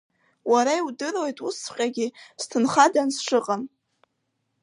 Уара иудыруеит усҵәҟьагьы сҭынхадан сшыҟам.